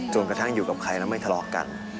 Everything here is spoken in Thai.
กระทั่งอยู่กับใครแล้วไม่ทะเลาะกัน